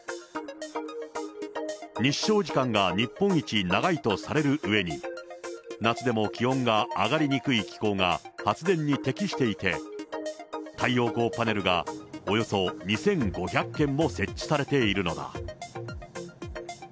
日照時間が日本一長いとされるうえに、夏でも気温が上がりにくい気候が、発電に適していて、太陽光パネルがおよそ２５００件も設置されているのだ。